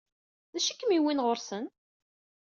D acu i kem-yewwin ɣer ɣur-sen?